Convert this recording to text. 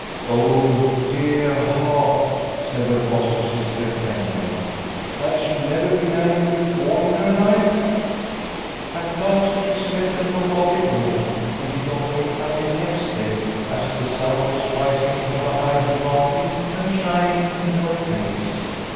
" Oh, dear heart," said her foster sister tenderly, " had she never been angry before in her life ?"" At last she slept and forgot it all, and did not wake until next day as the sun was rising from behind the mountain and shining in her face.